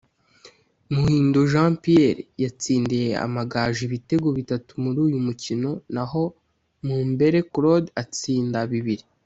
Muhindo Jean Pierre yatsindiye Amagaju ibitego bitatu muri uyu mukino naho Mumbele Claude atsinda bibiri